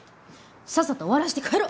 さっさと終わらして帰ろ！